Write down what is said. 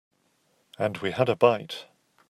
And we had a bite.